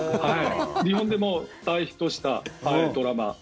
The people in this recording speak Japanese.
日本でも大ヒットしたドラマ。